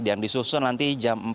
yang disusun nanti jam empat